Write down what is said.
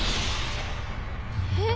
えっ？